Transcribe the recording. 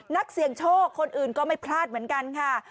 นักเสี่ยงโชคคนอื่นก็ไม่พลาดเหมือนกันค่ะ